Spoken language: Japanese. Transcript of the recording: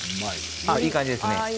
いい感じですね。